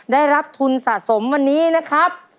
ได้รับทุนสะสมวันนี้นะครับ